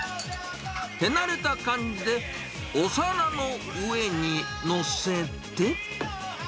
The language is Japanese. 手慣れた感じで、お皿の上に載せて。